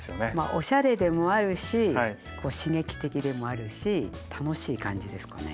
おしゃれでもあるし刺激的でもあるし楽しい感じですかね。